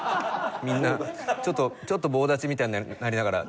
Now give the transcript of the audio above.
みんなちょっと棒立ちみたいになりながら。